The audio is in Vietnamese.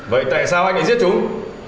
vậy tại sao anh lại giết chúng